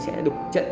sẽ đục trận